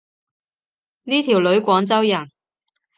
呢條女廣州人